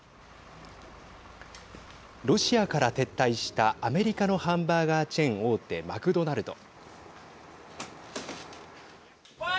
ロシアから撤退したアメリカのハンバーガーチェーン大手マクドナルド。